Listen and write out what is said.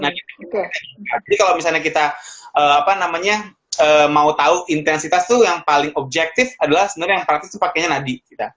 jadi kalau misalnya kita apa namanya mau tau intensitas tuh yang paling objektif adalah sebenernya yang praktis tuh pakainya nadi